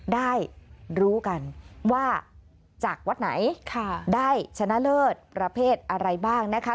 ได้รู้กันว่าจากวัดไหนได้ชนะเลิศประเภทอะไรบ้างนะคะ